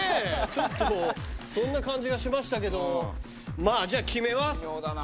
ちょっとそんな感じがしましたけどじゃあ決めます。